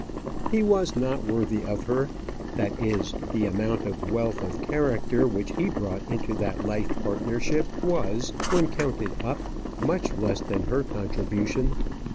He was not worthy of her. That is, the amount of wealth of character which he brought into that life partnership was, when counted up, much less than her contribution.